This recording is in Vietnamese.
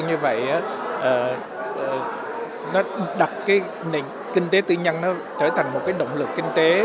nó đặt kinh tế tư nhân trở thành một động lực kinh tế